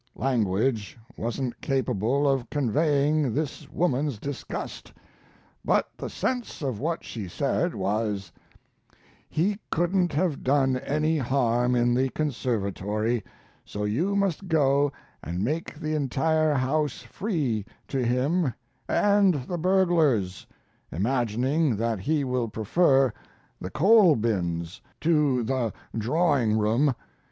Language wasn't capable of conveying this woman's disgust. But the sense of what she said was, "He couldn't have done any harm in the conservatory; so you must go and make the entire house free to him and the burglars, imagining that he will prefer the coal bins to the drawing room.